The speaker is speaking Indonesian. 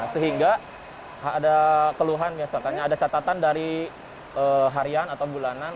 sehingga ada keluhan misalkan ada catatan dari harian atau bulanan